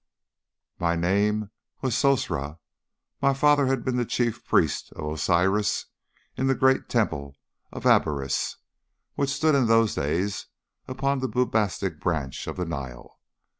"My name was Sosra. My father had been the chief priest of Osiris in the great temple of Abaris, which stood in those days upon the Bubastic branch of the Nile.